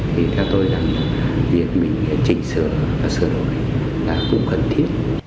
thì theo tôi rằng việc mình chỉnh sửa và sửa đổi là cũng cần thiết